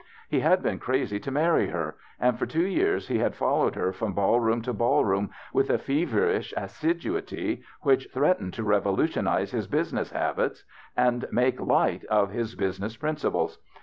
He had been crazy to marry her, and for two years he had followed her from ball room to ball room with a fever ish assiduity which threatened to revolution ize his business habits and make light of his TEE BACHELOR'S CHRISTMAS 23 business principles.